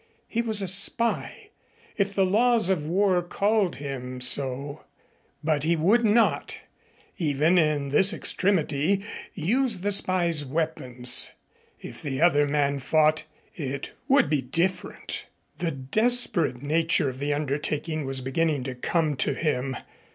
He was a spy, if the laws of war called him so, but he would not, even in this extremity, use the spy's weapons. If the other man fought, it would be different. The desperate nature of the undertaking was beginning to come to him.